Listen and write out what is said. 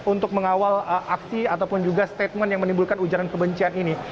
untuk mengawal aksi ataupun juga statement yang menimbulkan ujaran kebencian ini